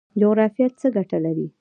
جغرافیه څه ګټه لري؟